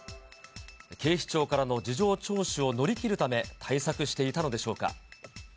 警視庁からの事情聴取を乗り切るため、対策していたのでしょうか。